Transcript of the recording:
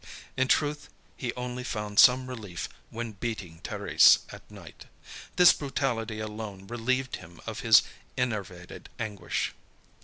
In truth, he only found some relief when beating Thérèse, at night. This brutality alone relieved him of his enervated anguish.